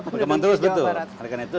perkembang terus pak penduduknya jawa barat